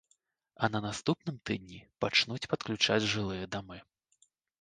А на наступным тыдні пачнуць падключаць жылыя дамы.